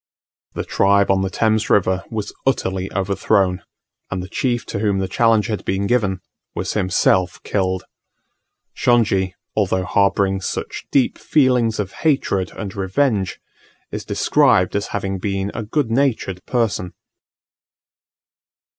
The tribe on the Thames River was utterly overthrown, and the chief to whom the challenge had been given was himself killed. Shongi, although harbouring such deep feelings of hatred and revenge, is described as having been a good natured person.